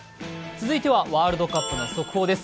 続いてはワールドカップの速報です。